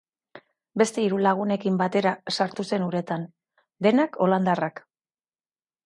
Beste hiru lagunekin batera sartu zen uretan, denak holandarrak.